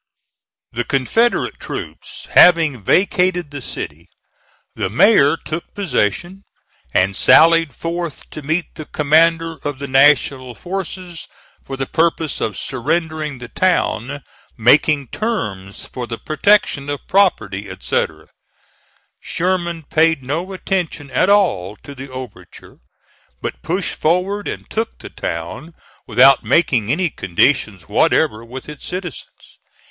The Confederate troops having vacated the city, the mayor took possession, and sallied forth to meet the commander of the National forces for the purpose of surrendering the town, making terms for the protection of property, etc. Sherman paid no attention at all to the overture, but pushed forward and took the town without making any conditions whatever with its citizens.